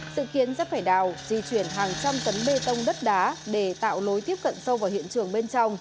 sự khiến giáp phải đào di chuyển hàng trăm tấn bê tông đất đá để tạo lối tiếp cận sâu vào hiện trường bên trong